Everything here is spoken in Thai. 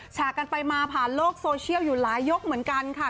ฉากกันไปมาผ่านโลกโซเชียลอยู่หลายยกเหมือนกันค่ะ